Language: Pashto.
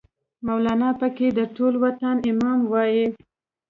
مولانا پکې د ټول وطن امام وای